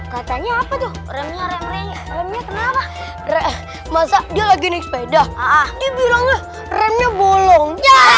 katanya apa tuh remnya kenapa masa dia lagi naik sepeda dia bilang remnya bolong